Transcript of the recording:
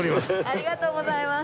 ありがとうございます。